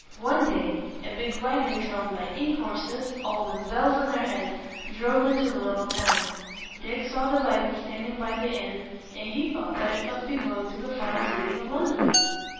One day a big wagon drawn by eight horses, all with bells on their heads, drove into the little town. Dick saw the wagon standing by the inn, and he thought that it must be going to the fine city of London.